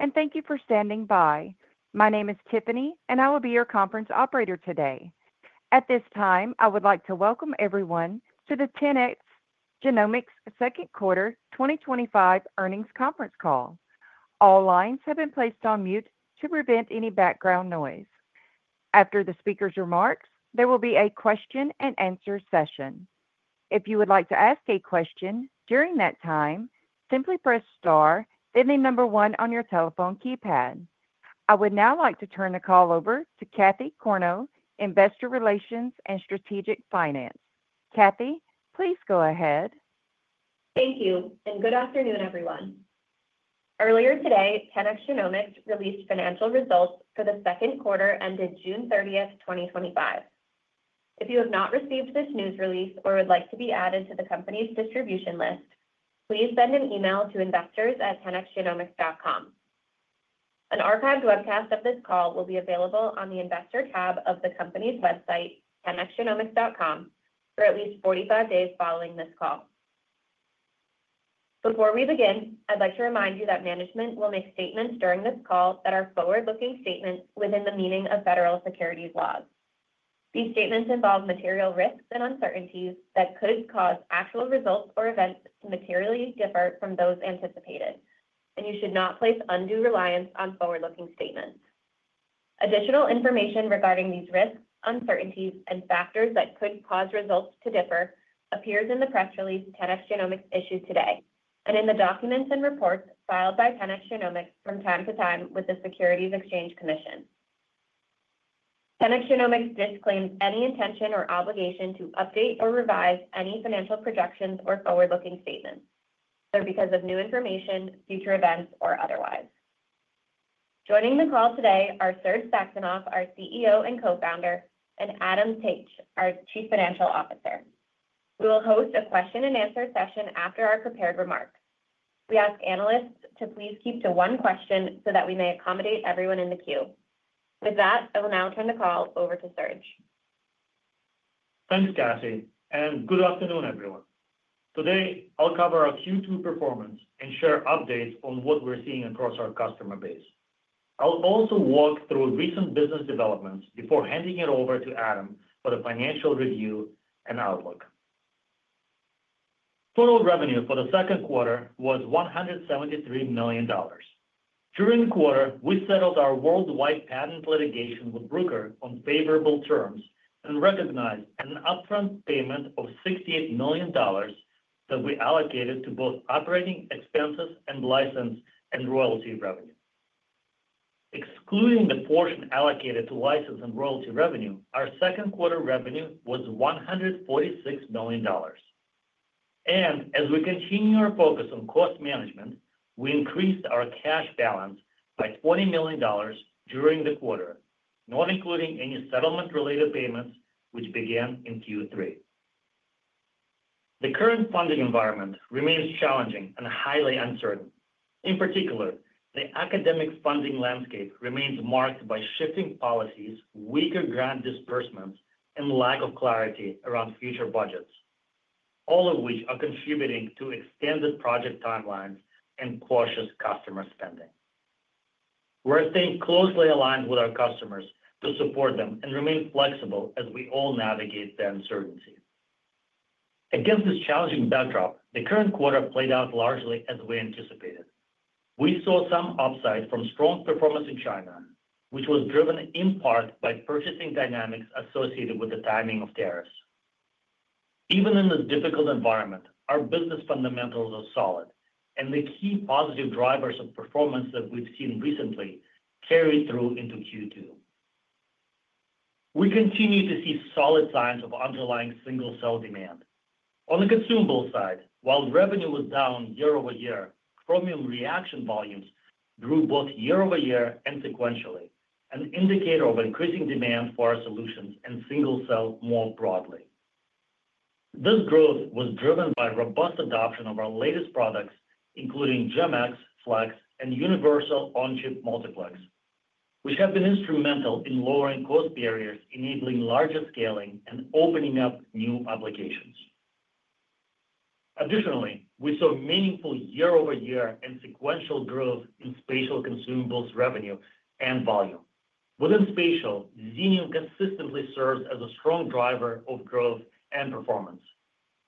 Hello and thank you for standing by. My name is Tiffany and I will be your conference operator today. At this time I would like to welcome everyone to the 10x Genomics Second Quarter 2025 Earnings Conference Call. All lines have been placed on mute to prevent any background noise. After the speaker's remarks, there will be a question and answer session. If you would like to ask a question during that time, simply press Star then number one on your telephone keypad. I would now like to turn the call over to Cassie Corneau, Investor Relations and Strategic Finance. Cassie, please go ahead. Thank you and good afternoon everyone. Earlier today, 10x Genomics released financial results for the second quarter ended June 30th, 2025. If you have not received this news release or would like to be added to the company's distribution list, please send an email to investors@10xgenomics.com. An archived webcast of this call will be available on the Investor tab of the company's website, 10xgenomics.com, for at least 45 days following this call. Before we begin, I'd like to remind you that management will make statements during this call that are forward-looking statements within the meaning of federal securities laws. These statements involve material risks and uncertainties that could cause actual results or events to materially differ from those anticipated and you should not place undue reliance on forward-looking statements. Additional information regarding these risks, uncertainties and factors that could cause results to differ appears in the press release 10x Genomics issued today and in the documents and reports filed by 10x Genomics from time to time with the Securities and Exchange Commission. 10x Genomics disclaims any intention or obligation to update or revise any financial projections or forward-looking statements because of new information, future events or otherwise. Joining the call today are Serge Saxonov, our CEO and Co-Founder, and Adam Taich, our Chief Financial Officer. We will host a question and answer session after our prepared remarks. We ask analysts to please keep to one question so that we may accommodate everyone in the queue. With that, I will now turn the call over to Serge. Thanks, Cassie, and good afternoon, everyone. Today I'll cover our Q2 performance and share updates on what we're seeing across our customer base. I'll also walk through recent business developments before handing it over to Adam for the financial review and outlook. Total revenue for the second quarter was $173 million during the quarter. We settled our worldwide patent litigation with Bruker on favorable terms and recognized an upfront payment of $68 million that we allocated to both operating expenses and license and royalty revenue. Excluding the portion allocated to license and royalty revenue, our second quarter revenue was $146 million, and as we continue our focus on cost management, we increased our cash balance by $40 million during the quarter, not including any settlement-related payments which began in Q3. The current funding environment remains challenging and highly uncertain. In particular, the academic funding landscape remains marked by shifting policies, weaker grant disbursements, and lack of clarity around future budgets, all of which are contributing to extended project timelines and cautious customer spending. We are staying closely aligned with our customers to support them and remain flexible as we all navigate the uncertainty. Against this challenging backdrop, the current quarter played out largely as we anticipated. We saw some upside from strong performance in China, which was driven in part by purchasing dynamics associated with the timing of tariffs. Even in this difficult environment, our business fundamentals are solid, and the key positive drivers of performance that we've seen recently carried through into Q2. We continue to see solid signs of underlying single cell demand on the consumable side. While revenue was down year-over-year, Chromium reaction volumes grew both year-over-year and sequentially, an indicator of increasing demand for our solutions and single cell more broadly. This growth was driven by robust adoption of our latest products, including GEM-X Flex and Universal On-Chip Multiplex, which have been instrumental in lowering cost barriers, enabling larger scaling, and opening up new applications. Additionally, we saw meaningful year-over-year and sequential growth in spatial consumables, revenue, and volume. Within spatial, Xenium consistently serves as a strong driver of growth and performance.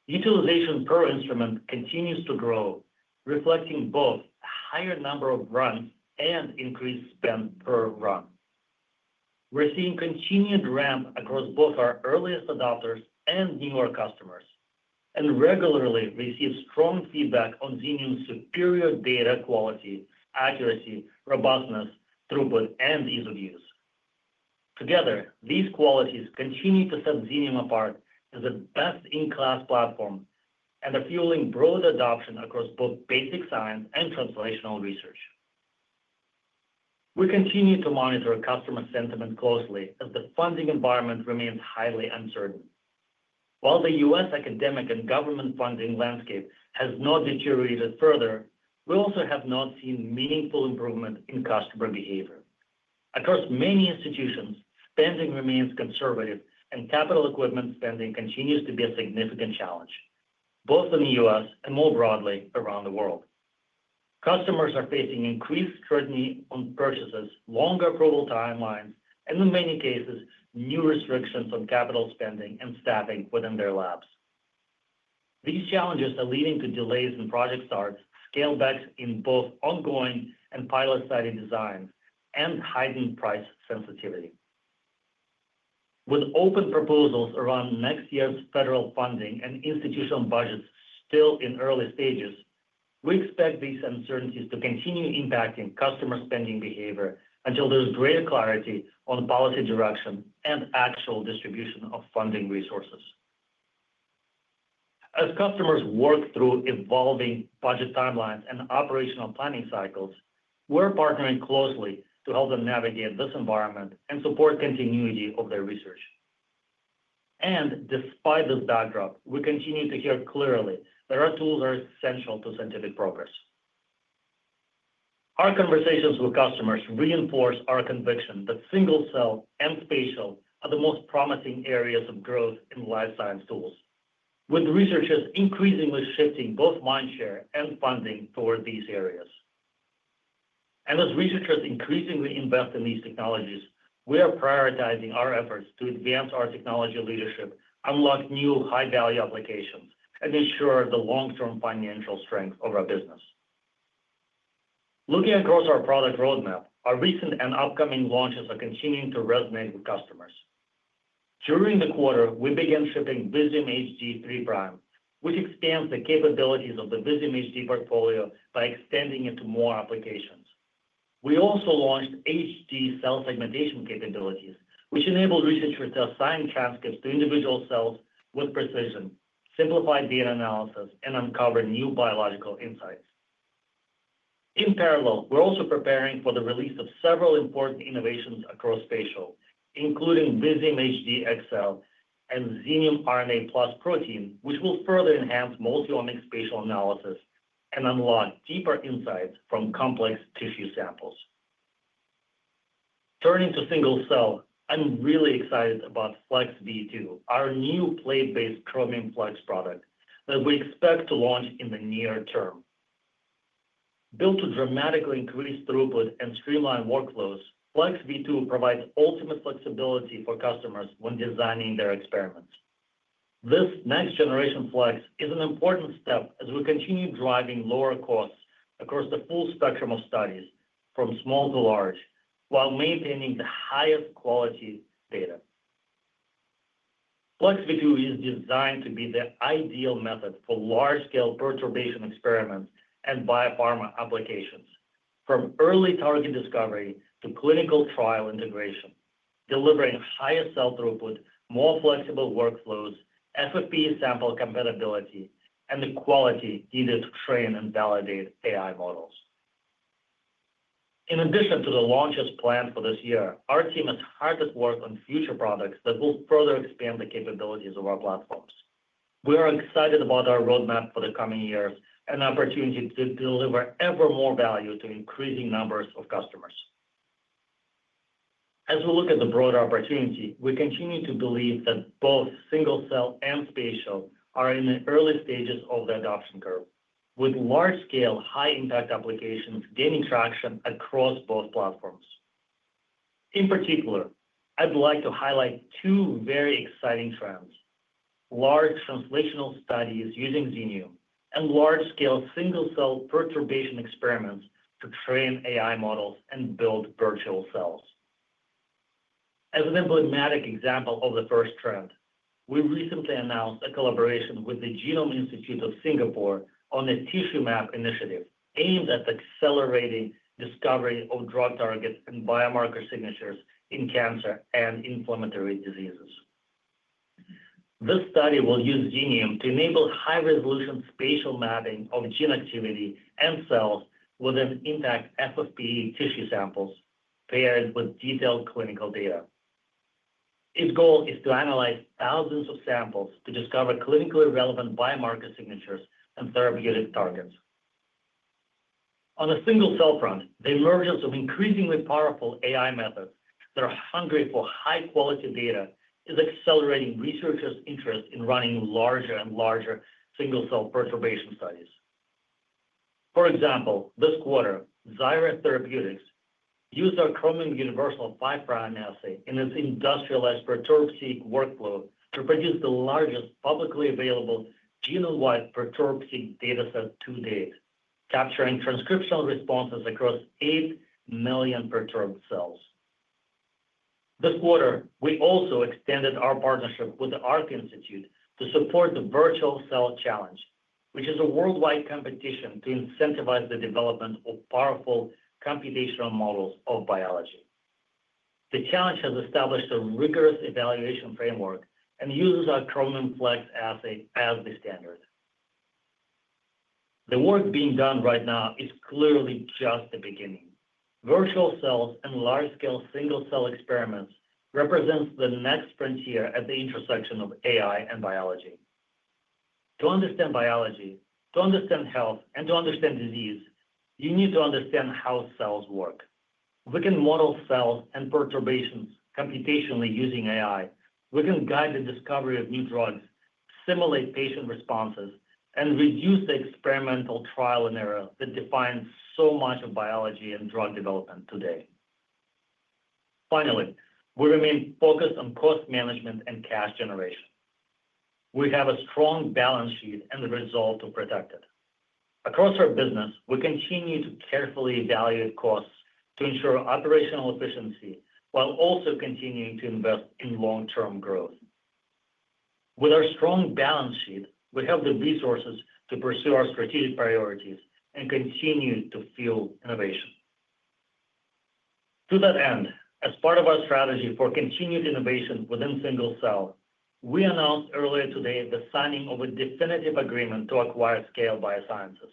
Utilization per instrument continues to grow, reflecting both higher number of runs and increased spend per run. We're seeing continued ramp across both our earliest adopters and newer customers and regularly receive strong feedback on Xenium's superior data quality, accuracy, robustness, throughput, and ease of use. Together, these qualities continue to set Xenium apart as the best-in-class platform, fueling broad adoption across both basic science and transformational research. We continue to monitor customer sentiment closely as the funding environment remains highly uncertain. While the U.S. academic and government funding landscape has not deteriorated further, we also have not seen meaningful improvement in customer behavior across many institutions. Spending remains conservative, and capital equipment spending continues to be a significant challenge both in the U.S. and more broadly around the world. Customers are facing increased scrutiny on purchases, longer approval timelines, and in many cases, new restrictions on capital spending and staffing within their labs. These challenges are leading to delays in project starts, scalebacks in both ongoing and pilot study design, and heightened price sensitivity with open proposals around next year's federal funding and institutional budgets. Still in early stages, we expect these uncertainties to continue impacting customer spending behavior until there's greater clarity on policy direction and actual distribution of funding resources. As customers work through evolving budget, timeline, and operational planning cycles, we're partnering closely to help them navigate this environment and support continuity of their research. Despite this backdrop, we continue to hear clearly that our tools are essential to scientific progress. Our conversations with customers reinforce our conviction that single cell and spatial biology are the most promising areas of growth in life science tools. With researchers increasingly shifting both mindshare and funding toward these areas, and as researchers increasingly invest in these technologies, we are prioritizing our efforts to advance our technology leadership, unlock new high-value applications, and ensure the long-term financial strength of our business. Looking across our product roadmap, our recent and upcoming launches are continuing to resonate with customers. During the quarter, we began shipping Visium HD 3' prime, which expands the capabilities of the Visium HD portfolio by extending it to more applications. We also launched HD cell segmentation capabilities, which enabled researchers to assign transcripts to individual cells with precision, simplified data analysis, and uncovered new biological insights. In parallel, we're also preparing for the release of several important innovations across spatial, including Visium HD XL and Xenium RNA+ protein, which will further enhance multiomics spatial analysis and unlock deeper insights from complex tissue samples. Turning to single cell, I'm really excited about Flex v2, our new plate-based Chromium Flex product that we expect to launch in the near term. Built to dramatically increase throughput and streamline workloads, Flex v2 provides ultimate flexibility for customers when designing their experiments. This next generation Flex is an important step as we continue driving lower costs across the full spectrum of studies from small to large while maintaining the highest quality data. Flex v2 is designed to be the ideal method for large scale perturbation experiments and biopharma applications, from early target discovery to clinical trial integration, delivering higher cell throughput, more flexible workflows, FFPE sample compatibility, and the quality needed to train and validate AI models. In addition to the launches planned for this year, our team is hard at work on future products that will further expand the capabilities of our platforms. We are excited about our roadmap for the coming year and opportunity to deliver ever more value to increasing numbers of customers as we look at the broader opportunity. We continue to believe that both single cell and spatial are in the early stages of the adoption curve, with large scale, high impact applications gaining traction across both platforms. In particular, I'd like to highlight two very exciting trends: large translational studies using Xenium and large scale single cell perturbation experiments to train AI models and build virtual cells. As an emblematic example of the first trend, we recently announced a collaboration with the Genome Institute of Singapore on a TISHUMAP initiative aimed at accelerating discovery of drug targets and biomarker signatures in cancer and inflammatory diseases. This study will use Xenium to enable high resolution spatial mapping of gene activity and cells within intact FFPE tissue samples paired with detailed clinical data. Its goal is to analyze thousands of samples to discover clinically relevant biomarker signatures of and therapeutic targets. On a single cell front, the emergence of increasingly powerful AI methods that are hungry for high quality data is accelerating researchers' interest in running larger and larger single cell perturbation studies. For example, this quarter Xaira Therapeutics used our Chromium Universal 5' assay in its industrialized Perturb-Seq workflow to produce the largest publicly available genome wide Perturb-Seq dataset to date, capturing transcriptional responses across 8 million perturbed cells. This quarter we also extended our partnership with the Arc Institute to support the Virtual Cell Challenge, which is a worldwide competition to incentivize the development of powerful computational models of biology. The challenge has established a rigorous evaluation framework and uses our Chromium Flex assay as the standard. The work being done right now is clearly just the beginning. Virtual cells and large scale single cell experiments represent the next frontier at the intersection of AI and biology. To understand biology, to understand health and to understand disease, you need to understand how cells work. We can model cells and perturbations computationally using AI. We can guide the discovery of new drugs, simulate patient responses and reduce the experimental trial and error that defines so much of biology and drug development today. Finally, we remain focused on cost management and cash generation. We have a strong balance sheet and the resolve to protect it across our business. We continue to carefully evaluate costs to ensure operational efficiency while also continuing to invest in long term growth. With our strong balance sheet, we have the resources to pursue our strategic priorities and continue to fuel innovation. To that end, as part of our strategy for continued innovation within single cell, we announced earlier today the signing of a definitive agreement to acquire Scale Biosciences.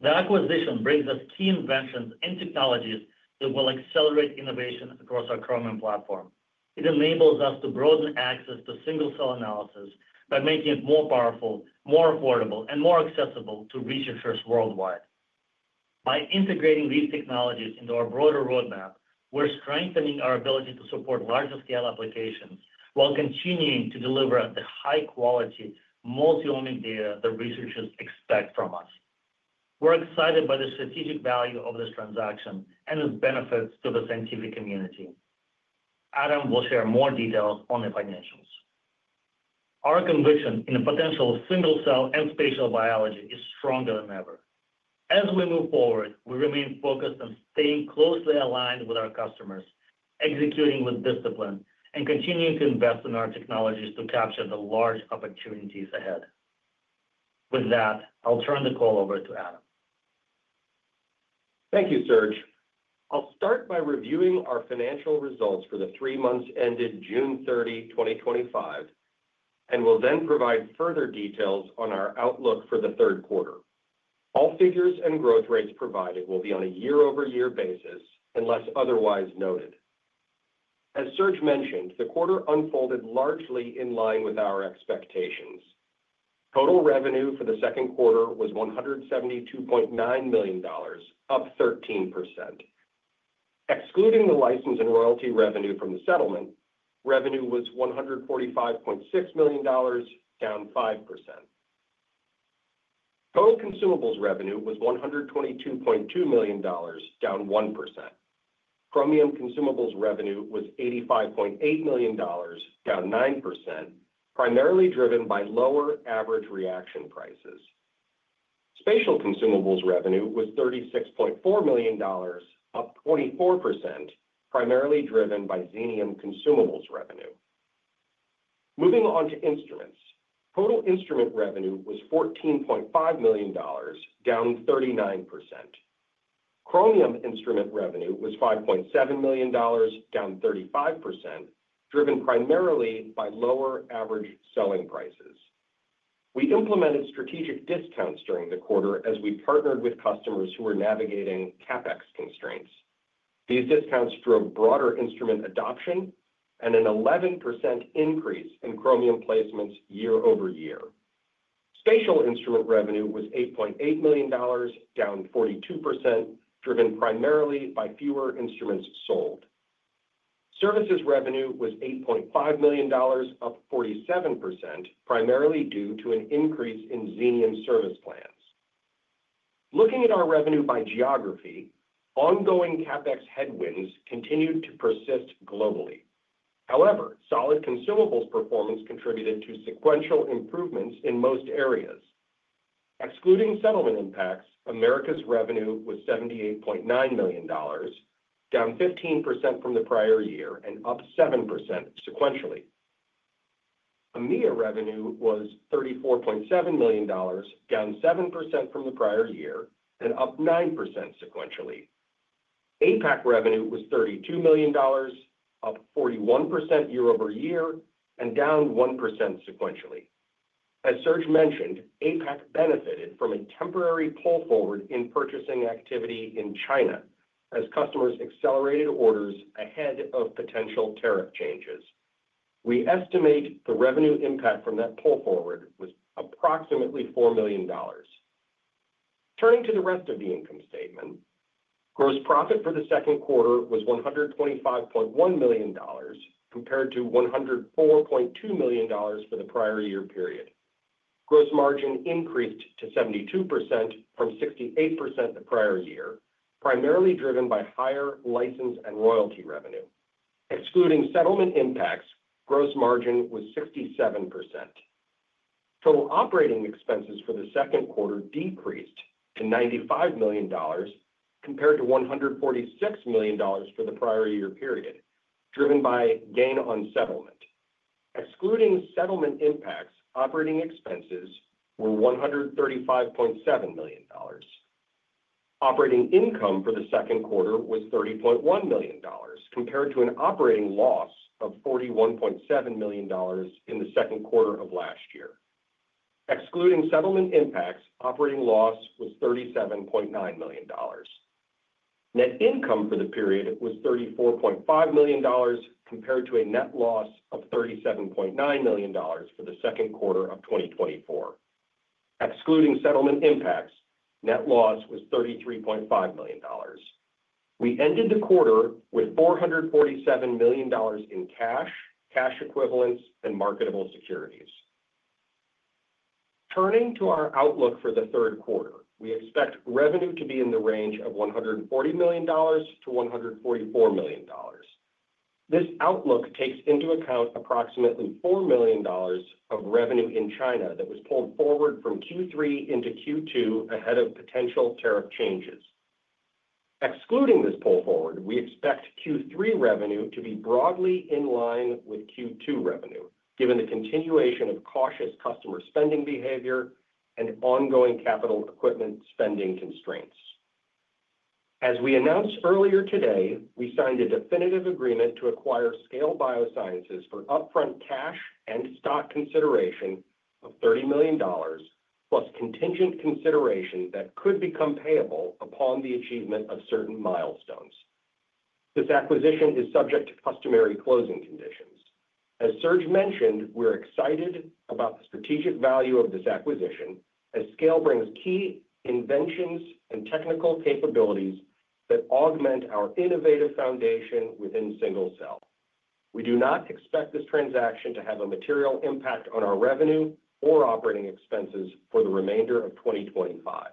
The acquisition brings us key inventions and technologies that will accelerate innovation across our Chromium platform. It enables us to broaden access to single cell analysis by making it more powerful, more affordable and more accessible to researchers worldwide. By integrating these technologies into our broader roadmap, we're strengthening our ability to support larger scale applications while continuing to deliver the high quality multiomic data the researchers expect from us. We're excited by the strategic value of this transaction and its benefits to the scientific community. Adam will share more details on the financials. Our conviction in a potential single cell and spatial biology is stronger than ever. As we move forward, we remain focused on staying closely aligned with our customers, executing with discipline, and continuing to invest in our technologies to capture the large opportunities ahead. With that, I'll turn the call over to Adam. Thank you, Serge. I'll start by reviewing our financial results for the three months ended June 30, 2025, and will then provide further details on our outlook for the third quarter. All figures and growth rates provided will be on a year-over-year basis unless otherwise noted. As Serge mentioned, the quarter unfolded largely in line with our expectations. Total revenue for the second quarter was $172.9 million, up 13%. Excluding the license and royalty revenue from the settlement, revenue was $145.6 million, down 5%. Total consumables revenue was $122.2 million, down 1%. Chromium consumables revenue was $85.8 million, down 9%, primarily driven by lower average reaction prices. Spatial consumables revenue was $36.4 million, up 24%, primarily driven by Xenium consumables revenue. Moving on to instruments, total instrument revenue was $14.5 million, down 39%. Chromium instrument revenue was $5.7 million, down 35%, driven primarily by lower average selling prices. We implemented strategic discounts during the quarter as we partnered with customers who were navigating CapEx constraints. These discounts drove broader instrument adoption and an 11% increase in Chromium placements year-over-year. Spatial instrument revenue was $8.8 million, down 42%, driven primarily by fewer instruments sold. Services revenue was $8.5 million, up 47%, primarily due to an increase in Xenium service plans. Looking at our revenue by geography, ongoing CapEx headwinds continued to persist globally. However, solid consumables performance contributed to sequential improvements in most areas, excluding settlement impacts. Americas revenue was $78.9 million, down 15% from the prior year and up 7% sequentially. EMEA revenue was $34.7 million, down 7% from the prior year and up 9% sequentially. APAC revenue was $32 million, up 41% year-over-year and down 1% sequentially. As Serge mentioned, APAC benefited from a temporary pull forward in purchasing activity in China as customers accelerated orders ahead of potential tariff changes. We estimate the revenue impact from that pull forward was approximately $4 million. Turning to the rest of the income statement, gross profit for the second quarter was $125.1 million compared to $104.2 million for the prior year period. Gross margin increased to 72% from 68% the prior year, primarily driven by higher license and royalty revenue. Excluding settlement impacts, gross margin was 67%. Total operating expenses for the second quarter decreased to $95 million compared to $146 million for the prior year period, driven by gain on settlement. Excluding settlement impacts, operating expenses were $135.7 million. Operating income for the second quarter was $30.1 million compared to an operating loss of $41.7 million in the second quarter of last year. Excluding settlement impacts, operating loss was $37.9 million. Net income for the period was $34.5 million compared to a net loss of $37.9 million for the second quarter of 2024. Excluding settlement impacts, net loss was $33.5 million. We ended the quarter with $447 million in cash, cash equivalents, and marketable securities. Turning to our outlook for the third quarter, we expect revenue to be in the range of $140 million to $144 million. This outlook takes into account approximately $4 million of revenue in China that was pulled forward from Q3 into Q2 ahead of potential tariff changes. Excluding this pull forward, we expect Q3 revenue to be broadly in line with Q2 revenue given the continuation of cautious customer spending behavior and ongoing capital equipment spending constraints. As we announced earlier today, we signed a definitive agreement to acquire Scale Biosciences for upfront cash and stock consideration of $30 million plus contingent consideration that could become payable upon the achievement of certain milestones. This acquisition is subject to customary closing conditions. As Serge mentioned, we're excited about the strategic value of this acquisition as Scale brings key inventions and technical capabilities that augment our innovative foundation within single cell. We do not expect this transaction to have a material impact on our revenue or operating expenses for the remainder of 2025.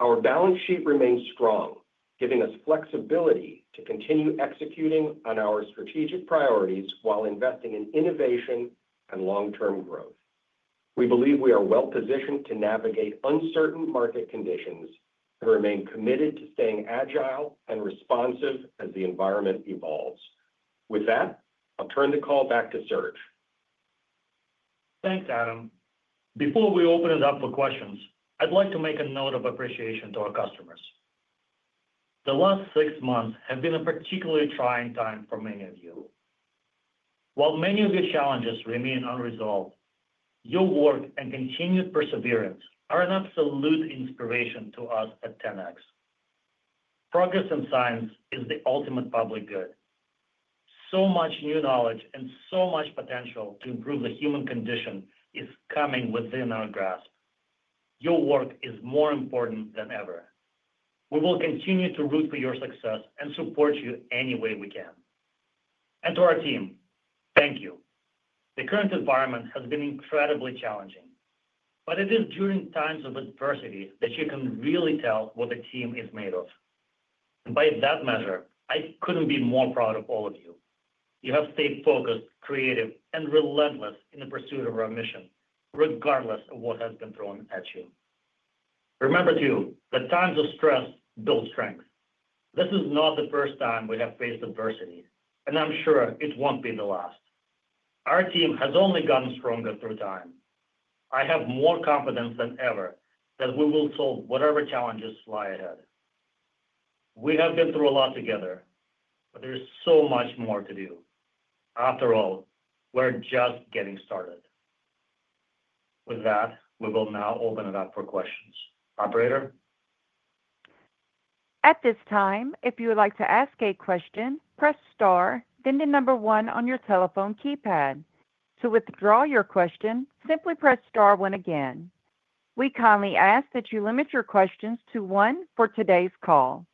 Our balance sheet remains strong, giving us flexibility to continue executing on our strategic priorities while investing in innovation and long term growth. We believe we are well positioned to navigate uncertain market conditions and remain committed to staying agile and responsive as the environment evolves. With that, I'll turn the call back to Serge. Thanks, Adam. Before we open it up for questions, I'd like to make a note of appreciation to our customers. The last six months have been a particularly trying time for many of you. While many of your challenges remain unresolved, your work and continued perseverance are an absolute inspiration to us. At 10x, progress in science is the ultimate public good. So much new knowledge and so much potential to improve the human condition is coming within our grasp. Your work is more important than ever. We will continue to root for your success and support you any way we can. To our team, thank you. The current environment has been incredibly challenging, but it is during times of adversity that you can really tell what the team is made of. By that measure, I couldn't be more proud of all of you. You have stayed focused, creative, and relentless in the pursuit of our mission, regardless of what has been thrown at you. Remember, too, that times of stress build strength. This is not the first time we have faced adversity, and I'm sure it won't be the last. Our team has only gotten stronger through time. I have more confidence than ever that we will solve whatever challenges lie ahead. We have been through a lot together, but there's so much more to do. After all, we're just getting started with that. We will now open it up for questions. Operator. At this time, if you would like to ask a question, press star, then the number one on your telephone keypad. To withdraw your question, simply press star one. Again, we kindly ask that you limit your questions to one. For today's call,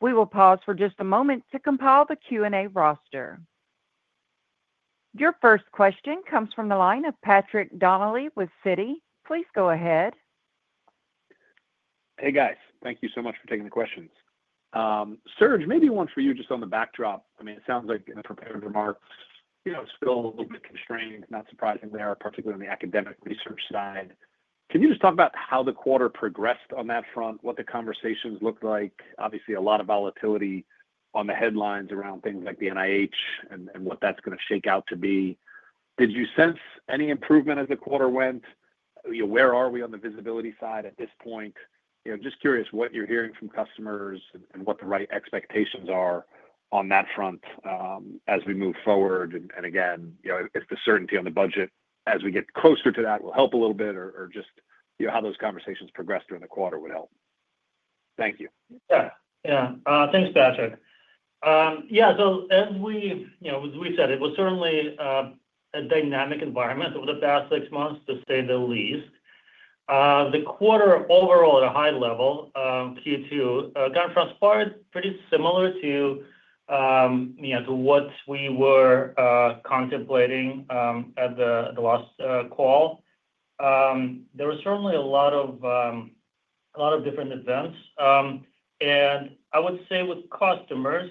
we will pause for just a moment to compile the Q&A roster. Your first question comes from the line of Patrick Donnelly with Citi. Please go ahead. Hey, guys, thank you so much for taking the questions. Serge, maybe one for you. Just on the backdrop, it sounds like in the prepared remarks, you know, still a little bit constrained. Not surprising there, particularly on the academic research side. Can you just talk about how the Quarter progressed on that front? What have the conversations looked like? Obviously, a lot of volatility on the. Headlines around things like the NIH and what that's going to shake out to be. Did you sense any improvement as the quarter went? Where are we on the visibility side at this point? Just curious what you're hearing from customers. What the right expectations are on. That front as we move forward. If the certainty on the. Budget as we get closer to that will help a little bit. How those conversations progress during the quarter would help. Thank you. Yeah, thanks, Patrick. Yeah, so we said it was certainly a dynamic environment over the past six months to say the least. The quarter overall at a high level, Q2 conformed pretty similar to what we were contemplating at the last call. There were certainly a lot of different events, and I would say with customers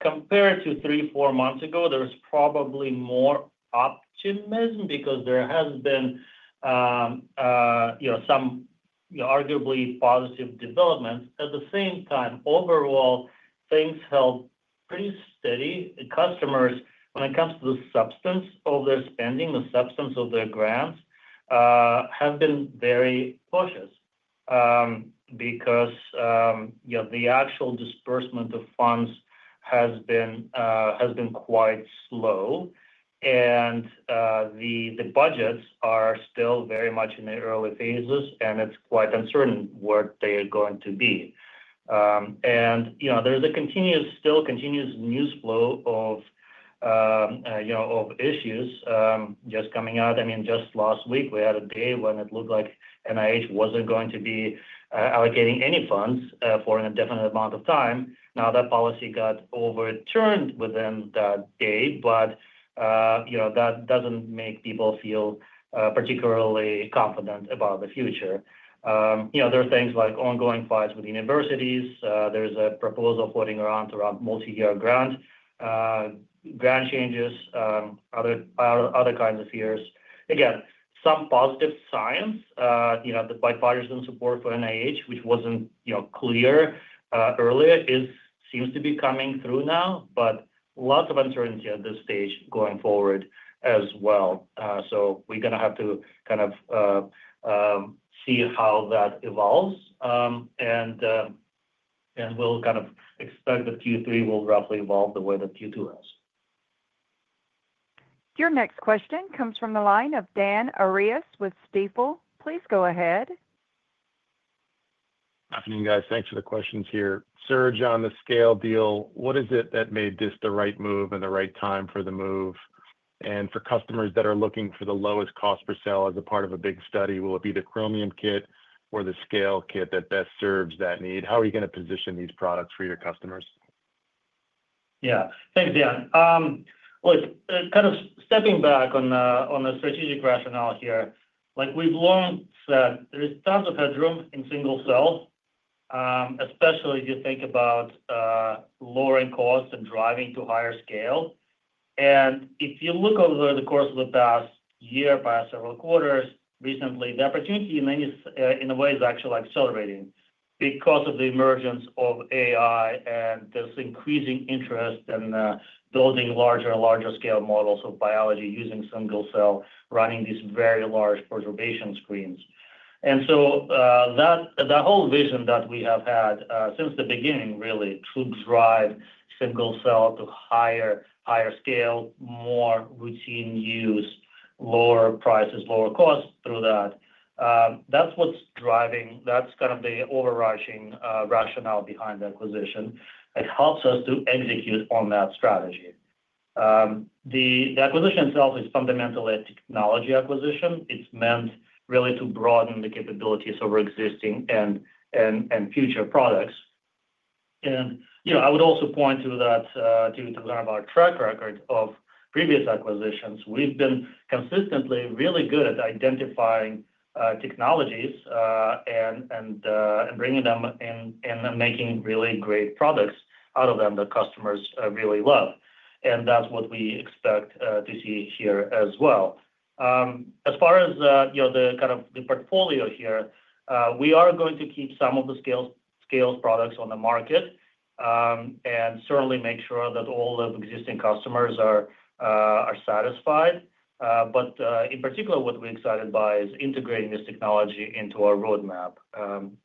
compared to three, four months ago, there's probably more optimism because there have been some arguably positive developments. At the same time, overall things held pretty steady. Customers, when it comes to the substance of their spending, the substance of their grants, have been very cautious because the actual disbursement of funds has been quite slow, and the budgets are still very much in the early phases, and it's quite uncertain where they are going to be. There's still continuous news flow. Of. Of issues just coming out. I mean, just last week we had a day when it looked like NIH wasn't going to be allocating any funds for an indefinite amount of time. Now that policy got overturned within that day. That doesn't make people feel particularly confident about the future. There are things like ongoing fights with universities. There's a proposal floating around, multi-year grant, grant changes, other kinds of years. Again, some positive science. You know, the bipartisan support for NIH, which wasn't clear earlier, seems to be coming through now, but lots of uncertainty at this stage going forward as well. We're going to have to kind of see how that evolves, and we'll kind of expect that Q3 will roughly evolve the way that Q2 has. Your next question comes from the line of Dan Arias with Stifel. Please go ahead. Afternoon guys. Thanks for the questions here. Serge. On the Scale deal, what is it that made this the right move? The right time for the move? For customers that are looking for the lowest cost per cell as a part of a big study, will it be the Chromium kit or the Scale kit that best serves that need? How are you going to position these products for your customers? Yeah, thanks, Dan. Kind of stepping back on the strategic rationale here, we've learned that there is tons of headroom in single cell, especially if you think about lowering cost and driving to higher scale. If you look over the course of the past year, past several quarters recently, the opportunity in a way is actually accelerating because of the emergence of AI and this increasing interest in building larger and larger scale models of biology using single cell, running these very large perturbation screens. The whole vision that we have had since the beginning, really to drive single cell to higher, higher scale, more routine use, lower prices, lower cost through that, that's what's driving. That's kind of the overarching rationale behind the acquisition. It helps us to execute on that strategy. The acquisition itself is fundamentally a technology acquisition. It's meant really to broaden the capabilities of our existing and future products. I would also point to that, to our track record of previous acquisitions. We've been consistently really good at identifying technologies and bringing them in and making really great products out of them that customers really love. That's what we expect to see here as well. As far as the kind of the portfolio here, we are going to keep some of the Scale's products on the market and certainly make sure that all of existing customers are satisfied. In particular, what we're excited by is integrating this technology into our roadmap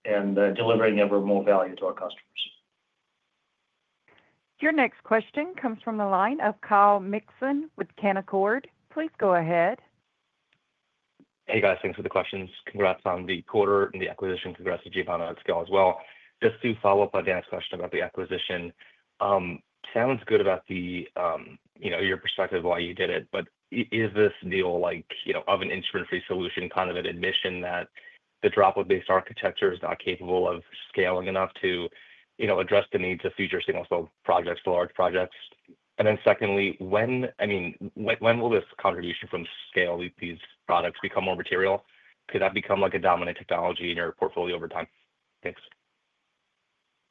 and delivering ever more value to our customers. Your next question comes from the line of Kyle Mikson with Canaccord. Please go ahead. Hey guys, thanks for the questions. Congrats on the quarter and the acquisition. Congrats to Giovanna at Scale Biosciences as well. Just to follow up on Dan's question about the acquisition, sounds good about the acquisition. From your perspective, why you did it, but is this deal, like, you know, of an instrument-free solution, kind of an admission that the droplet-based. Architecture is not capable of scaling enough. To address the needs of. Future single projects, forward projects. Secondly, when, I mean, when. Will this contribution from Scale, these products become more material? Could that become like a dominant technology in your portfolio over time?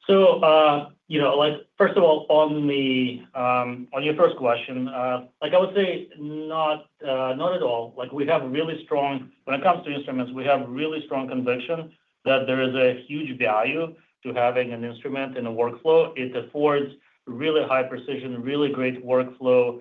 First of all, on your first question, I would say not at all. We have a really strong, when it comes to instruments, we have really strong conviction that there is a huge value to having an instrument in a workflow. It affords really high precision, really great workflow,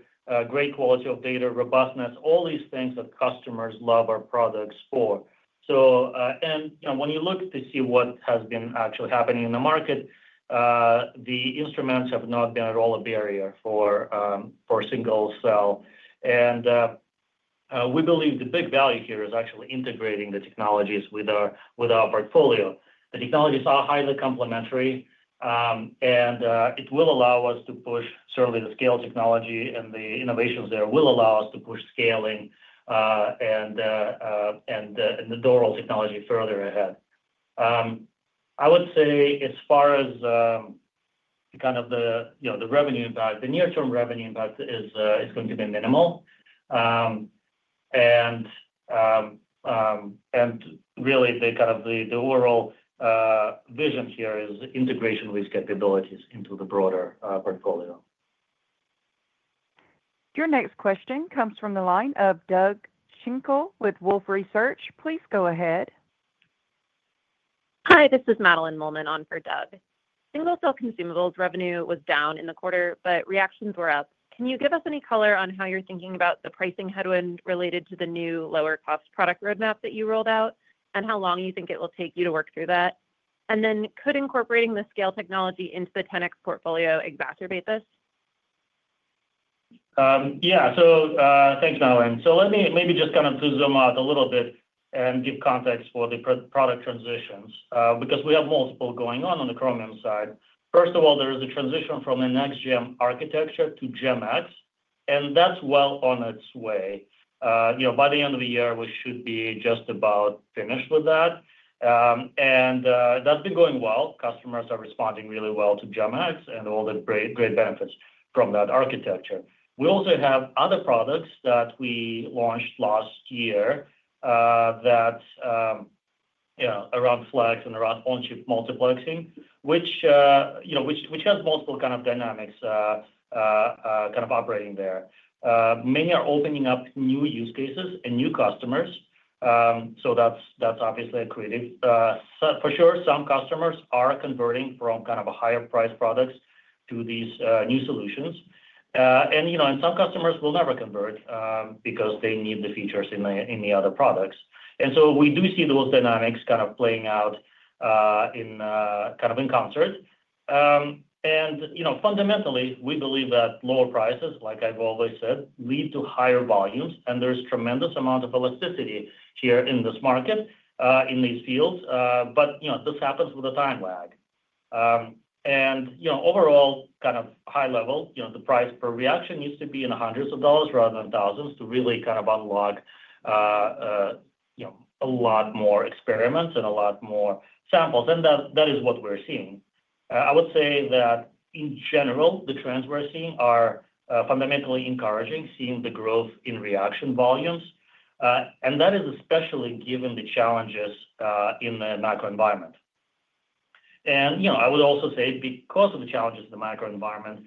great quality of data, robustness, all these things that customers love our products for. When you look to see what has been actually happening in the market, the instruments have not been at all a barrier for single cell. We believe the big value here is actually integrating the technologies with our portfolio. The technologies are highly complementary and it will allow us to push certainly the Scale technology and the innovations there will allow us to push scaling and the door of technology further ahead. As far as the revenue impact, the near term revenue impact is going to be minimal. Really the overall vision here is integration with capabilities into the broader portfolio. Your next question comes from the line of Doug Schenkel with Wolfe Research. Please go ahead. Hi, this is Madeline Mollman on for. Doug, single cell consumables. Revenue was down in the quarter, but reactions were up. Can you give us any color on how you're thinking about the pricing headwind related to the new lower cost product roadmap that you rolled out, and how long you think it will take you to work through that? Could incorporating the Scale technology into the 10x portfolio exacerbate this? Yeah, thanks, Madeline. Let me maybe just kind of zoom out a little bit and give context for the product transitions because we have multiple going on on the Chromium side. First of all, there is a transition from a Next GEM architecture to GEM-X and that's well on its way. By the end of the year we should be just about finished with that. That's been going well. Customers are responding really well to GEM-X and all the great benefits from that architecture. We also have other products that we launched last year that are around Flex and around on-chip multiplexing, which has multiple dynamics kind of operating there. Many are opening up new use cases and new customers, so that's obviously accretive for sure. Some customers are converting from kind of higher price products to these new solutions, and some customers will never convert because they need the features in the other products. We do see those dynamics kind of playing out in encounters. Fundamentally, we believe that lower prices, like I've always said, lead to higher volumes. There's a tremendous amount of elasticity here in this market in these fields. This happens with a time lag and overall, at a high level, the price per reaction needs to be in hundreds of dollars rather than thousands to really unlock a lot more experiments and a lot more samples, and that is what we're seeing. I would say that in general the trends we're seeing are fundamentally encouraging, seeing the growth in reaction volumes, and that is especially given the challenges in the macro environment. I would also say because of the challenges in the micro environment,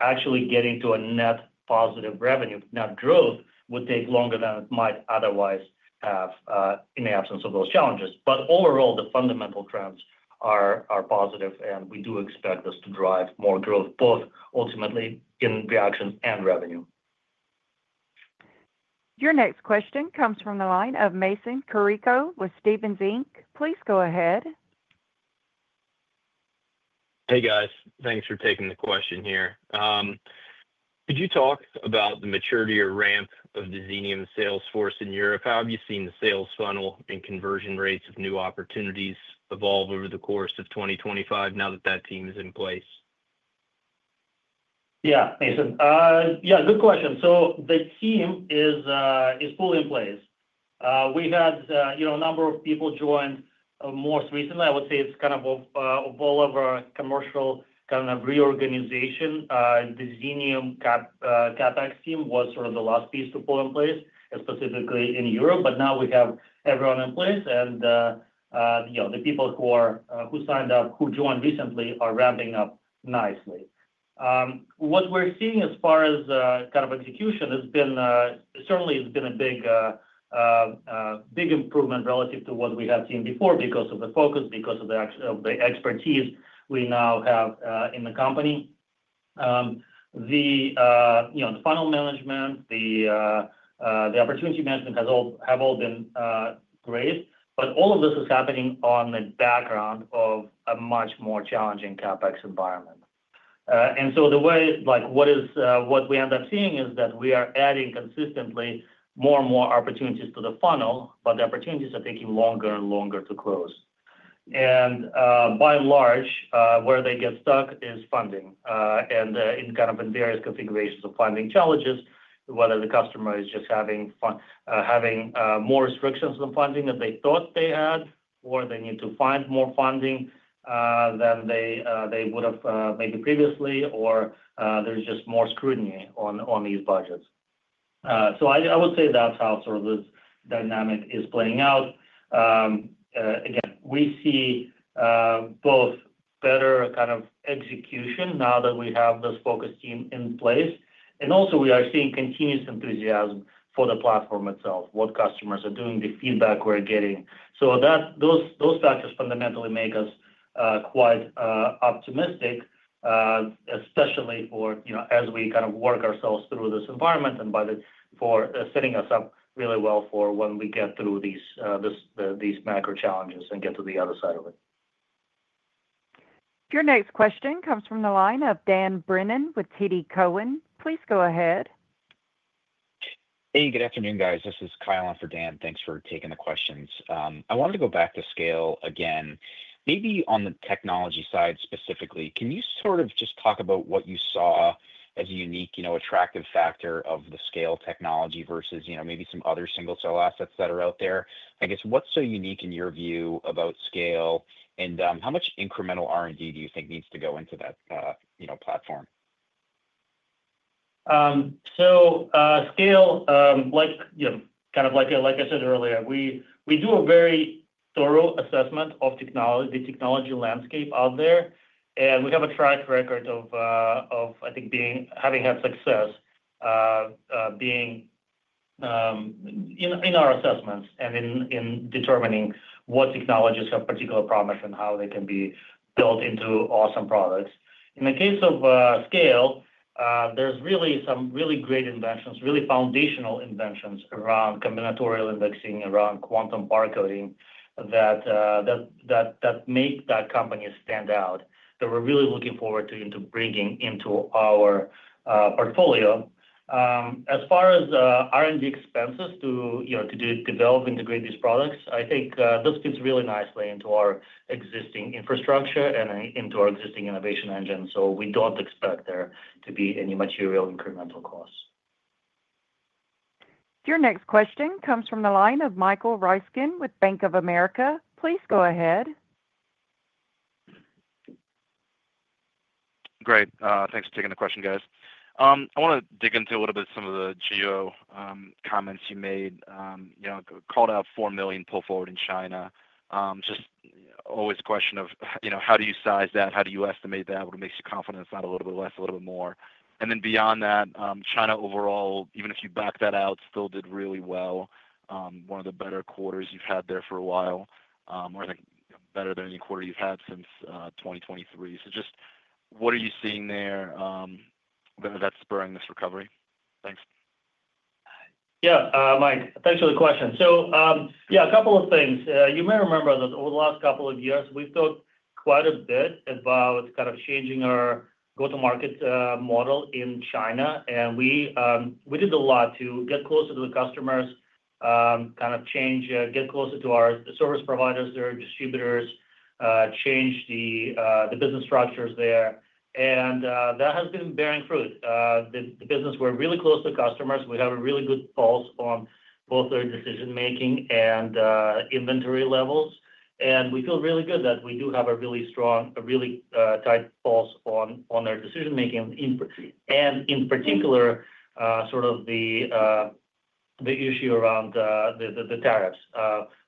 actually getting to a net positive revenue growth would take longer than it might otherwise have in the absence of those challenges. Overall, the fundamental trends are positive and we do expect this to drive more growth, both ultimately in reactions and revenue. Your next question comes from the line of Mason Carrico with Stephens Inc. Please go ahead. Hey guys, thanks for taking the question here. Could you talk about the maturity or ramp of the Xenium sales force in Europe? How have you seen the sales funnel and conversion rates of new opportunities evolve over the course of 2025, now that that team is in place. Yeah, Mason? Yeah, good question. The team is fully in place. We've had a number of people join most recently. I would say it's kind of all of our commercial kind of reorganization. The Xenium CapEx team was sort of the last piece to pull in place specifically in Europe. Now we have everyone in place and the people who signed up, who joined recently, are ramping up nicely. What we're seeing as far as execution has been certainly a big, big improvement relative to what we have seen before because of the focus, because of the expertise we now have in the company. The funnel management, the opportunity management have all been great. All of this is happening on the background of a much more challenging CapEx environment. The way, like, what we end up seeing is that we are adding consistently more and more opportunities to the funnel, but the opportunities are taking longer and longer to close and by and large where they get stuck is funding and in various configurations of funding challenges, whether the customer is just having more restrictions than funding that they thought they had, or they need to find more funding than they would have made it previously, or there's just more scrutiny on these budgets. I would say that's how sort of this dynamic is playing out. Again, we see both better execution now that we have this focus team in place and also we are seeing continuous enthusiasm for the platform itself, what customers are doing, the feedback we're getting. Those factors fundamentally make us quite optimistic, especially for, you know, as we kind of work ourselves through this environment and by the, for setting us up really well for when we get through these macro challenges and get to the other side of it. Your next question comes from the line of Dan Brennan with TD Cowen. Please go ahead. Hey, good afternoon guys, this is Kyle in for Dan, thanks for taking the questions. I wanted to go back to Scale again, maybe on the technology side specific. Can you sort of just talk about what you saw as a unique, you know, attractive factor of the Scale technology versus, you know, maybe some other single cell assets that are out there, I guess. What's so unique in your view about Scale and how much incremental R&D do you think needs to go into that, you know, platform? Scale, like I said earlier, we do a very thorough assessment of technology, the technology landscape out there and we have a track record of, I think, having had success in our assessments and in determining what technologies have particular promise and how they can be built into awesome products. In the case of Scale, there's really some really great inventions, really foundational inventions around combinatorial indexing, around Quantum Barcoding that make that company stand out, that we're really looking forward to bringing into our portfolio. As far as R&D expenses to develop, integrate these products, I think this fits really nicely into our existing infrastructure and into our existing innovation engine. We don't expect there to be any material incremental costs. Your next question comes from the line of Michael Ryskin with Bank of America. Please go ahead. Great. Thanks for taking the question, guys. I want to dig into a little bit some of the GEO comments you made. Called out $4 million pull forward in China. Just always a question of how do you size that, how do you estimate that? What makes you confident it's not a little bit less, a little bit more. Beyond that, China overall, even if you back that out, still did really well. One of the better quarters you've had there for a while or better than any quarter you've had since 2023. Just what are you seeing there that's spurring this recovery? Thanks. Yeah, Mike, thanks for the question. A couple of things you may remember that over the last couple of years we've talked quite a bit about kind of changing our go to market model in China and we did a lot to get closer to the customers, kind of change, get closer to our service providers, their distributors, change the business structures there. That has been bearing fruit. The business, we're really close to customers, we have a really good pulse on both their decision making and inventory levels, and we feel really good that we do have a really strong, a really tight pulse on our decision making and in particular sort of the issue around the tariffs.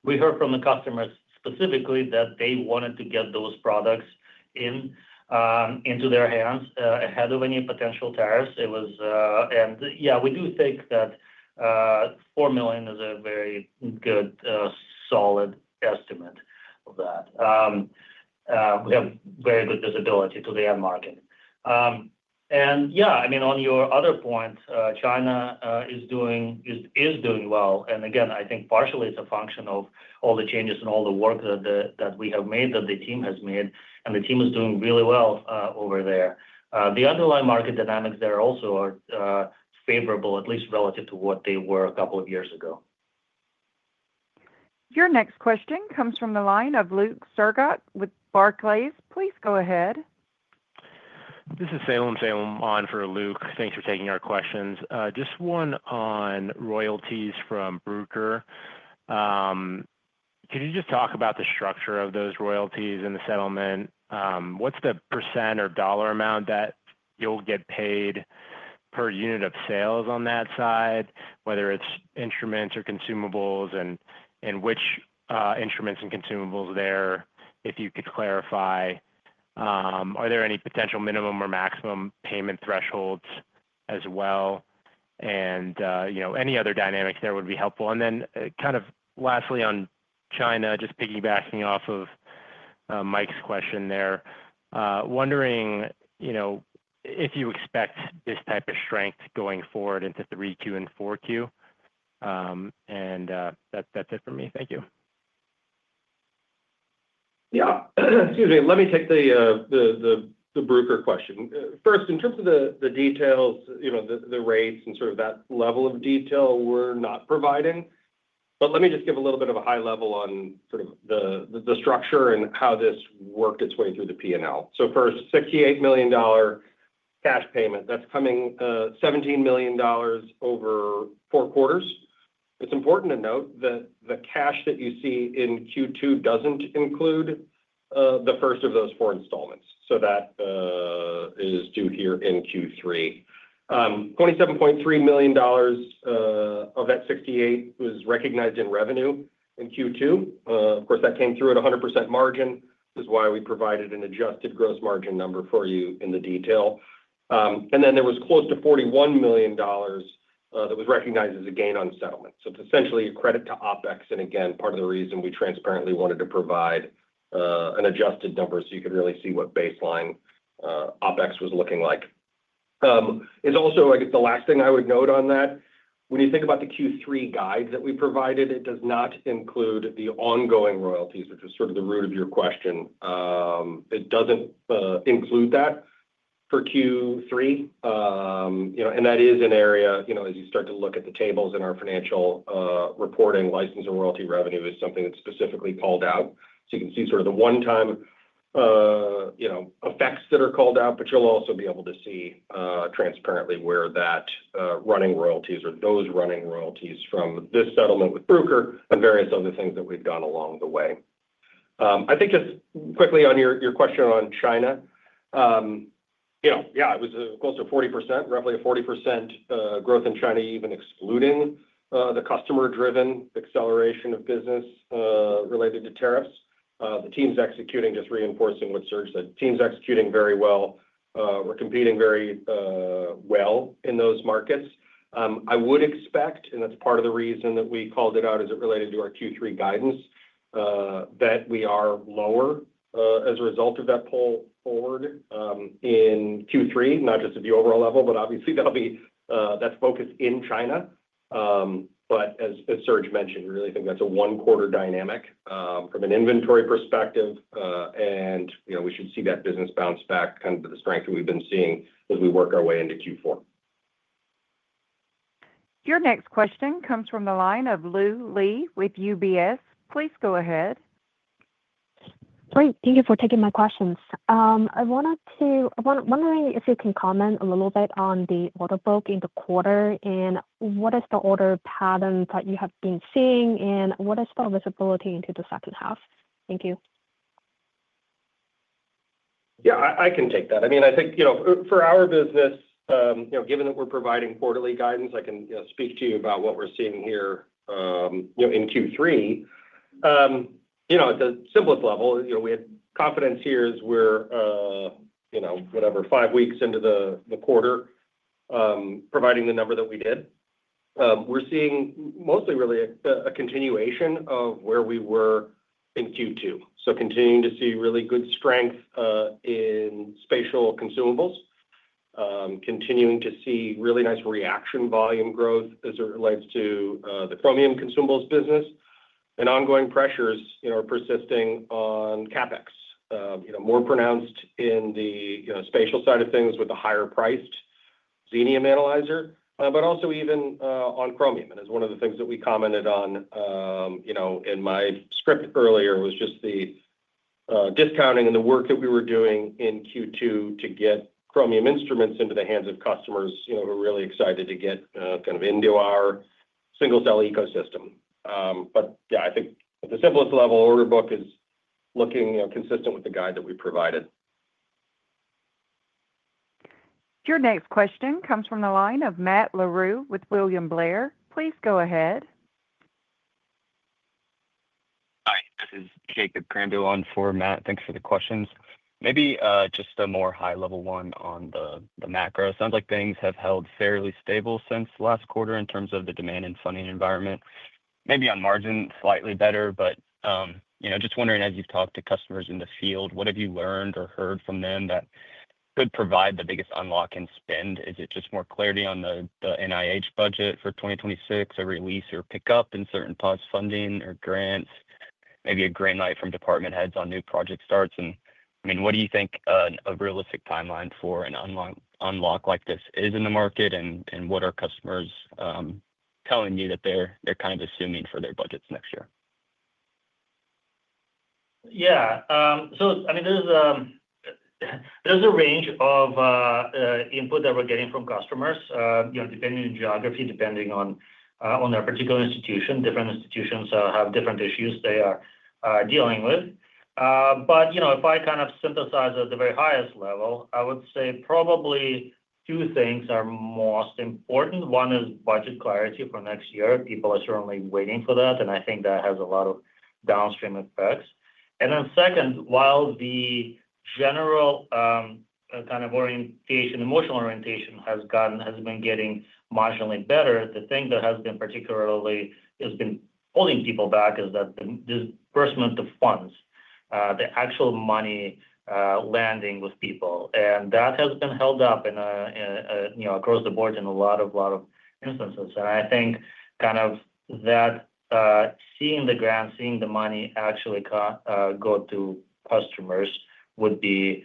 We heard from the customers specifically that they wanted to get those products into their hands ahead of any potential tariffs. We do think that $4 million is a very good, solid estimate. Of that. Very good visibility to the end market. I mean, on your other point, China is doing well and I think partially it's a function of all the changes and all the work that we have made, that the team has made, and the team is doing really well over there. The underlying market dynamics there also are favorable, at least relative to what they were a couple of years ago. Your next question comes from the line of Luke Sergott with Barclays, please go ahead. This is Salem. Salem on for Luke. Thanks for taking our questions. Just one on royalties from Bruker. Could you just talk about the structure of those royalties in the settlement? What's the percent or dollar amount that you'll get paid per unit of sales on that side, whether it's instruments or consumables, and which instruments and consumables there. If you could clarify, are there any potential minimum or maximum payment thresholds as well, and any other dynamics there would be helpful. Lastly, on China, just piggybacking off of Mike's question there, wondering if you expect this type of strength going forward into 3Q and 4Q. That's it for me. Thank you. Excuse me. Let me take the Bruker question first in terms of the details. The rates and sort of that level of detail we're not providing, but let me just give a little bit of a high level on the structure and how this worked its way through the P&L. For the $68 million cash payment that's coming, $17 million over four quarters, it's important to note that the cash that you see in Q2 doesn't include the first of those four installments. That is due here in Q3. $27.3 million of that $68 million was recognized in revenue in Q2. Of course, that came through at 100% margin, which is why we provided an adjusted gross margin number for you in the detail. Then there was close to $41 million that was recognized as a gain on settlement, so it's essentially a credit to OpEx. Part of the reason we transparently wanted to provide an adjusted number is so you could really see what baseline OpEx was looking like. The last thing I would note on that, when you think about the Q3 guide that we provided, it does not include the ongoing royalties, which is sort of the root of your question for Q3. That is an area, as you start to look at the tables in our financial reporting, license and royalty revenue is something that's specifically called out. You can see the one-time effects that are called out, but you'll also be able to see transparently where the running royalties from this settlement with Bruker and various other things that we've done along the way are. Just quickly on your question on China, it was close to 40%, roughly a 40% growth in China, even excluding the customer-driven acceleration of business related to tariffs. The team's executing, just reinforcing what Serge said. Teams executing very well. We're competing very well in those markets. I would expect, and that's part of the reason that we called it out as it related to our Q3 guidance, that we are lower as a result of that pull forward in Q3. Not just at the overall level, but obviously that's focused in China. As Serge mentioned, we really think that's a one-quarter dynamic from an inventory perspective, and we should see that business bounce back to the strength that we've been seeing as we work our way into Q4. Your next question comes from the line of [Lou Lee] with UBS. Please go ahead. Great. Thank you for taking my questions. I wanted to wondering if you can comment a little bit on the order book in the quarter, and what is the order pattern that you have been seeing, and what is the visibility into the second half? Thank you. Yeah, I can take that. I think, for our business, given that we're providing quarterly guidance, I can speak to you about what we're seeing here in Q3. At the simplest level, we had confidence here as we're five weeks into the quarter, providing the number that we did. We're seeing mostly really a continuation of where we were in Q2. Continuing to see really good strength in spatial consumables, continuing to see really nice reaction volume growth as it relates to the Chromium consumables business. Ongoing pressures are persisting on CapEx, more pronounced in the spatial side of things with the higher priced Xenium analyzer, but also even on Chromium. As one of the things that we commented on in my script earlier was just the discounting and the work that we were doing in Q2 to get Chromium instruments into the hands of customers who are really excited to get into our single cell ecosystem. I think the simplest level order book is looking consistent with the guide that we provided. Your next question comes from the line of Matt Larew with William Blair. Please go ahead. Hi, this is Jacob Krahenbuhl on format. Thanks for the questions. Maybe just a more high level one on the macro. Sounds like things have held fairly stable since last quarter in terms of the demand and funding environment. Maybe on margin slightly better. Just wondering as you talk to customers in the field, what have you. Learned or heard from them that could provide the biggest unlock and spend? Is it just more clarity on the NIH budget for 2026, a release or pick up in certain paused funding? Grants, maybe a green light from department. Heads on new project starts? What do you think a realistic timeline for an unlock like this is in the market? What are customers telling you that? They're kind of assuming for their budgets next year? Yeah, so, I mean, there's a range of input that we're getting from customers depending on geography, depending on their particular institution. Different institutions have different issues they are dealing with. If I kind of synthesize at the very highest level, I would say probably two things are most important. One is budget clarity for next year. People are certainly waiting for that. I think that has a lot of downstream effects. Second, while the general kind of orientation, emotional orientation, has been getting marginally better, the thing that has been particularly holding people back is that disbursement of funds, the actual money landing with people. That has been held up across the board in a lot of instances. I think seeing the grant, seeing the money actually go to customers would be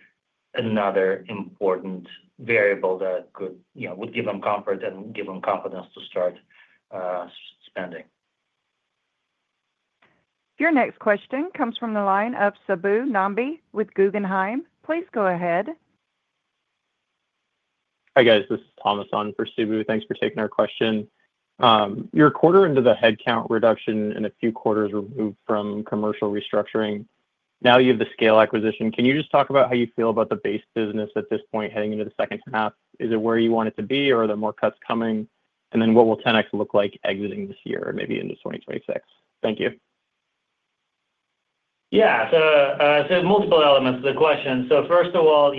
another important variable that could give them comfort and give them confidence to start spending. Your next question comes from the line of Subbu Nambi with Guggenheim. Please go ahead. Hi guys, this is Thomas on for Subbu. Thanks for taking our question. You're a quarter into the headcount reduction. A few quarters removed from commercial restructuring. Now you have the Scale acquisition. Can you just talk about how you feel about the base business at this point heading into the second half? Is it where you want it to be or are there more cuts coming? What will 10x look like. Exiting this year, maybe into 2026? Thank you. Yeah, multiple elements of the question. First of all,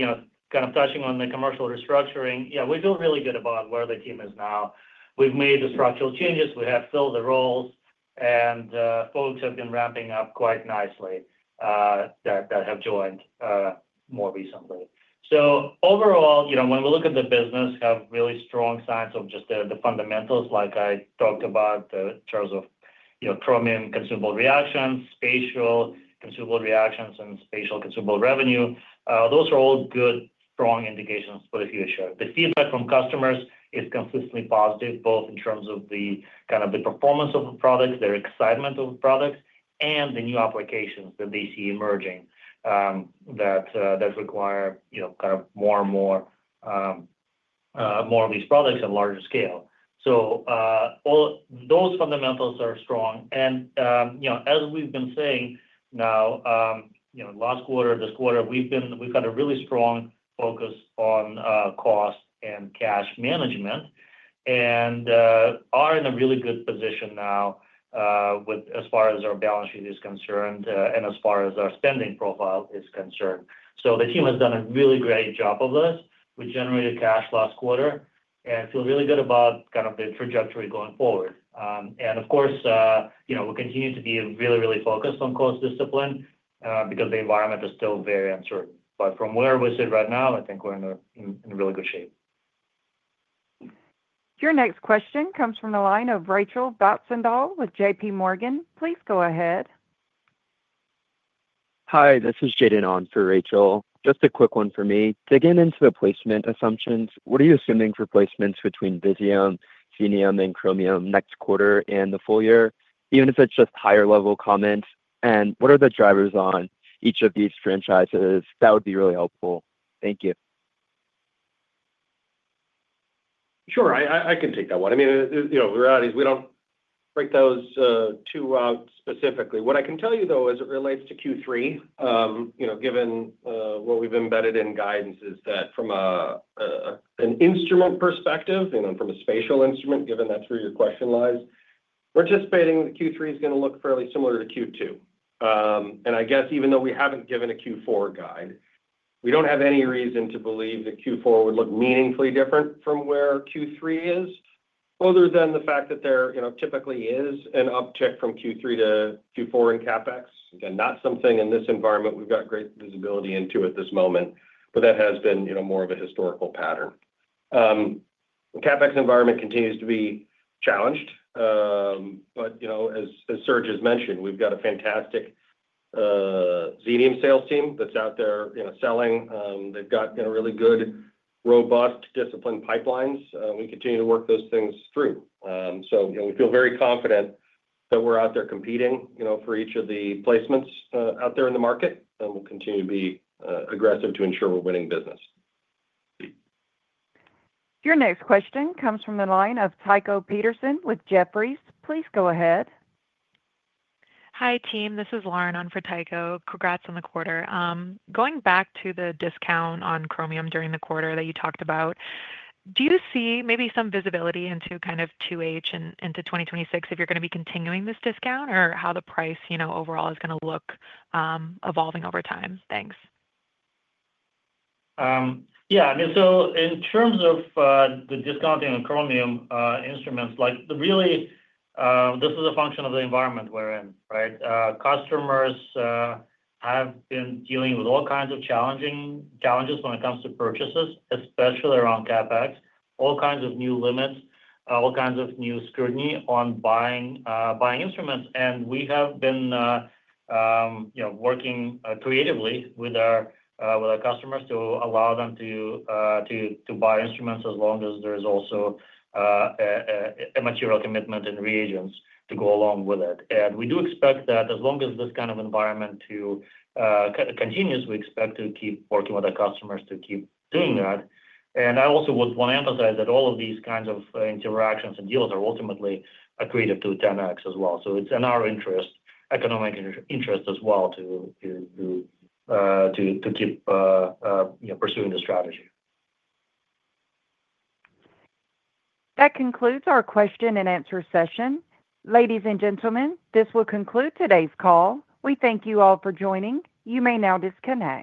kind of touching on the commercial restructuring. Yeah, we feel really good about where the team is now. We've made the structural changes, we have filled the roles, and folks have been ramping up quite nicely that have joined more recently. Overall, when we look at the business, we have really strong signs of just the fundamentals like I talked about in terms of your Chromium consumable reactions, spatial consumable reactions, and spatial consumable revenue. Those are all good, strong indications for the future. The feedback from customers is consistently positive, both in terms of the performance of the products, their excitement of products, and the new applications that they see emerging that require more of these products at larger scale. Those fundamentals are strong. As we've been saying now, last quarter, this quarter we've had a really strong focus on cost and cash management and are in a really good position now as far as our balance sheet is concerned and as far as our spending profile is concerned. The team has done a really great job of this. We generated cash last quarter and feel really good about the trajectory going forward. Of course, we continue to be really, really focused on cost discipline because the environment is still very unsure. From where we sit right now, I think we're in really good shape. Your next question comes from the line of Rachel Vatnsdal with JPMorgan. Please go ahead. Hi, this is Jayden on for Rachel. Just a quick one for me, digging into the placement assumptions. What are you assuming for placements between? Visium, Xenium, and Chromium next quarter and the full year, even if it's just higher level comments and what are the. Drivers on each of these franchises? That would be really helpful, thank you. Sure, I can take that one. The reality is we don't break those two out specifically. What I can tell you though, as it relates to Q3, given what we've embedded in guidance, is that from an instrument perspective, from a spatial instrument, given that's where your question lies, we're anticipating that Q3 is going to look fairly similar to Q2. I guess even though we haven't given a Q4 guide, we don't have any reason to believe that Q4 would look meaningfully different from where Q3 is, other than the fact that there typically is an uptick from Q3 to Q4 in CapEx. Again, not something in this environment we've got great visibility into at this moment. That has been more of a historical pattern. CapEx environment continues to be challenged. As Serge has mentioned, we've got a fantastic Xenium In Situ sales team that's out there selling. They've got really good, robust, disciplined pipelines. We continue to work those things through. We feel very confident that we're out there competing for each of the placements out there in the market. We'll continue to be aggressive to ensure we're winning business. Your next question comes from the line of Tycho Peterson with Jefferies. Please go ahead. Hi team. This is Lauren on for Tycho. Congrats on the quarter. Going back to the discount on Chromium during the quarter that you talked about, do you see maybe some visibility into kind of 2H and into 2026 if you're going to be continuing this discount or how the price, you know, overall is going to look evolving over time? Thanks. Yeah. In terms of the discounting and Chromium instruments, this is really a function of the environment we're in, right? Customers have been dealing with all kinds of challenges when it comes to purchases, especially around CapEx. All kinds of new limits, all kinds of new scrutiny on buying instruments. We have been working creatively with our customers to allow them to buy instruments as long as there is also a material commitment in reagents to go along with it. We do expect that as long as this kind of environment continues, we expect to keep working with our customers to keep doing that. I also would want to emphasize that all of these kinds of interactions and deals are ultimately accretive to 10x as well. It's in our interest, economic interest as well, to keep pursuing the strategy. That concludes our question and answer session. Ladies and gentlemen, this will conclude today's call. We thank you all for joining. You may now disconnect.